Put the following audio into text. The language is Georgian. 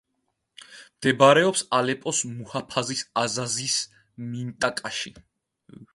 მდებარეობს ალეპოს მუჰაფაზის აზაზის მინტაკაში.